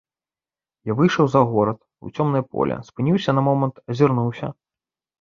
Як выйшаў за горад, у цёмнае поле, спыніўся на момант, азірнуўся.